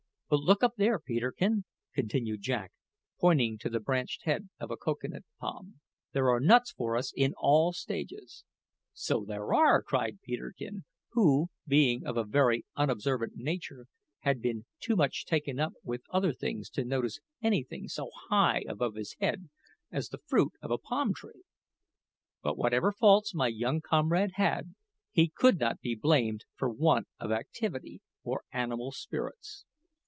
But look up there, Peterkin," continued Jack, pointing to the branched head of a cocoa nut palm. "There are nuts for us in all stages." "So there are!" cried Peterkin, who, being of a very unobservant nature, had been too much taken up with other things to notice anything so high above his head as the fruit of a palm tree. But whatever faults my young comrade had, he could not be blamed for want of activity or animal spirits.